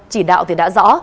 chỉ đạo thì đã rõ